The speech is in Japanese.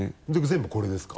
全部これですか？